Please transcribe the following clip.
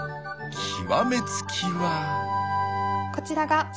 極め付きは。